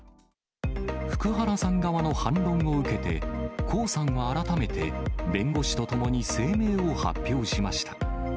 福原さん側の反論を受けて、江さんは改めて、弁護士と共に声明を発表しました。